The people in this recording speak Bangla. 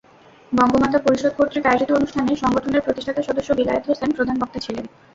বঙ্গমাতা পরিষদ কর্তৃক আয়োজিত অনুষ্ঠানে সংগঠনের প্রতিষ্ঠাতা সদস্য বিলায়েত হোসেন প্রধান বক্তা ছিলেন।